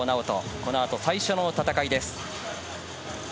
この後、最初の戦いです。